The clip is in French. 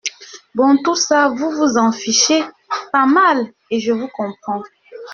Bon, tout ça, vous vous en fichez pas mal et je vous comprends.